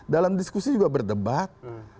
dalam diskusi juga berdebat